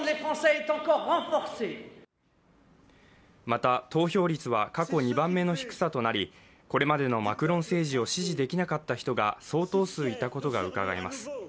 また投票率は過去２番目の低さとなり、これまでのマクロン政治を支持できなかった人が相当数いたことがうかがえます。